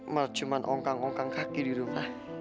malah cuman ongkang ongkang kaki di rumah